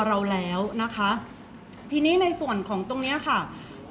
เพราะว่าสิ่งเหล่านี้มันเป็นสิ่งที่ไม่มีพยาน